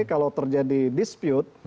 kalau terjadi dispute